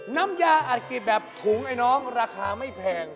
น้ำยาอัดกิบแบบถุงไอ้น้องราคาไม่แพง